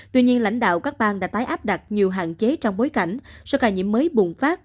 tuy nhiên lãnh đạo các bang đã tái áp đặt nhiều hạn chế trong bối cảnh số ca nhiễm mới bùng phát